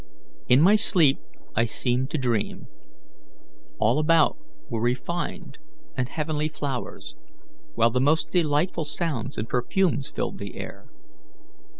In my sleep I seemed to dream. All about were refined and heavenly flowers, while the most delightful sounds and perfumes filled the air.